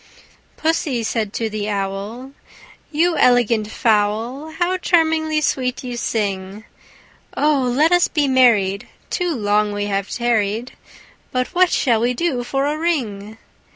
II Pussy said to the Owl, "You elegant fowl, How charmingly sweet you sing! Oh! let us be married; too long we have tarried; But what shall we do for a ring?"